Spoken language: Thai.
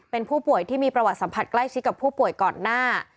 เป็นผู้ป่วยที่มีประวัติสัมผัสใกล้ชิดกับผู้ป่วยก่อนหน้า